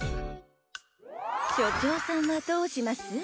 しょちょうさんはどうします？